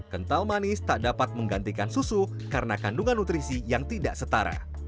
kental manis tak dapat menggantikan susu karena kandungan nutrisi yang tidak setara